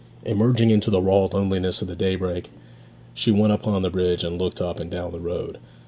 Emerging into the raw loneliness of the daybreak, she went upon the bridge and looked up and down the road.